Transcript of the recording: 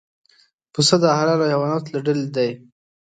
پسه د حلالو حیواناتو له ډلې دی.